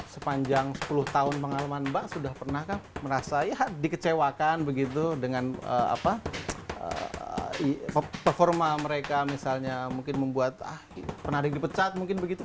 sepanjang sepuluh tahun pengalaman mbak sudah pernahkah merasa ya dikecewakan begitu dengan performa mereka misalnya mungkin membuat penarik dipecat mungkin begitu